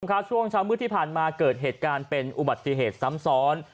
ครับช่วงเช้ามืดที่ผ่านมาเกิดเหตุการณ์เป็นอุบัติเหตุซ้ำซ้อน